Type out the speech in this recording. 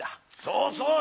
そうそう。